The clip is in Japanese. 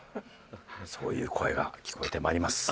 そういう声が聞こえてまいります。